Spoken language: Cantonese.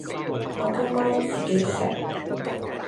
我今晚自己食